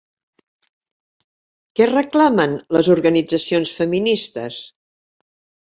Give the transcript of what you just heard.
Què reclamen les organitzacions feministes?